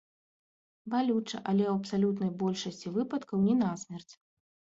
Балюча, але ў абсалютнай большасці выпадкаў не насмерць.